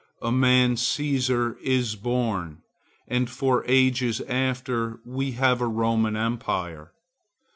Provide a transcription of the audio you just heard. A man Cæsar is born, and for ages after we have a Roman Empire.